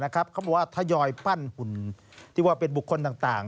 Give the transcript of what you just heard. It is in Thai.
เขาบอกว่าทะยอยปั้นหุ้นเป็นบุคคลต่าง